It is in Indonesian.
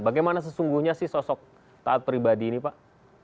bagaimana sesungguhnya sih sosok taat pribadi ini pak